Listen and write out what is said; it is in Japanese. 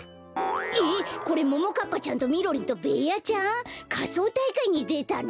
えっこれももかっぱちゃんとみろりんとベーヤちゃん？かそうたいかいにでたの？